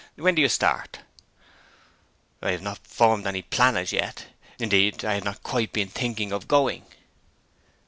When do you start?' 'I have not formed any plan as yet. Indeed, I had not quite been thinking of going.'